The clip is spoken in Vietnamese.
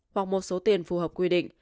hoặc một số tiền phù hợp quy định